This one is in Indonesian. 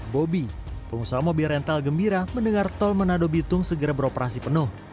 bobi pengusaha mobil rental gembira mendengar tol menado bitung segera beroperasi penuh